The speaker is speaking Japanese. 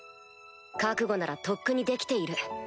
覚悟ならとっくにできている。